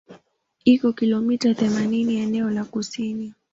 Iko kilomita themanini eneo la kusini